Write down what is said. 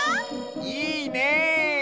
いいね！